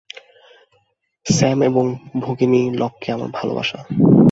Sam এবং ভগিনী লককে আমার ভালবাসা।